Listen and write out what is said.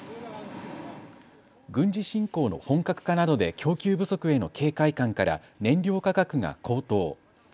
軍事侵攻の本格化などで供給不足への警戒感から燃料価格が高騰。